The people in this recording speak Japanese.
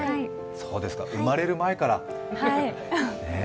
そうですか、生まれる前から。